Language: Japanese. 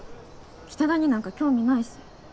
北田になんか興味ないし